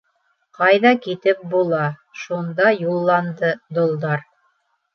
Ҡайҙа китеп була, шунда юлланды долдар.